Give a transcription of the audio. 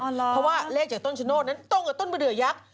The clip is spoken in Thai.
เพราะว่าเลขจากต้นชะโนธนั้นตรงกับต้นมะเดือยักษ์